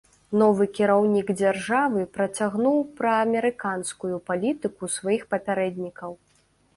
Новы кіраўнік дзяржавы працягнуў праамерыканскую палітыку сваіх папярэднікаў.